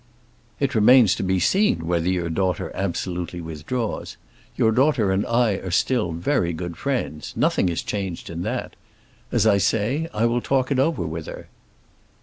"It remains to be seen whether your daughter absolutely withdraws. Your daughter and I are still very good friends; nothing is changed in that. As I say, I will talk it over with her."